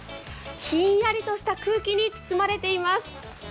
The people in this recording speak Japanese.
ひんやりとした空気に包まれています。